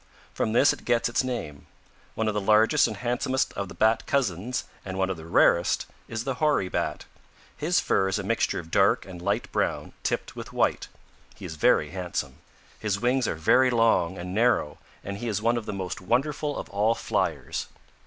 From this it gets its name. One of the largest and handsomest of the Bat cousins, and one of the rarest is the Hoary Bat. His fur is a mixture of dark and light brown tipped with white. He is very handsome. His wings are very long and narrow and he is one of the most wonderful of all fliers.